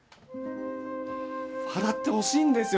笑ってほしいんですよ